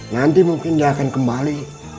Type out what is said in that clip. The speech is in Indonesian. nanti mungkin dia akan kembali